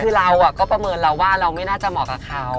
คือเราก็ประเมินเราว่าเราไม่น่าจะเหมาะกับเขา